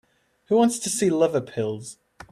Who wants to see liver pills?